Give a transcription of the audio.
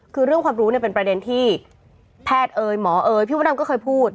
คือเรื่องความรู้เนี่ยเป็นประเด็นที่แพทย์เอ๋ยหมอเอ๋ยพี่มดดำก็เคยพูด